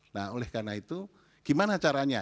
nah oleh karena itu gimana caranya